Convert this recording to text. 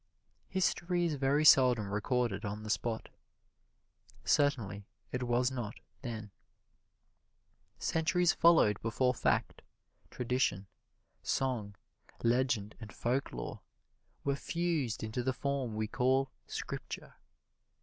History is very seldom recorded on the spot certainly it was not then. Centuries followed before fact, tradition, song, legend and folklore were fused into the form we call Scripture.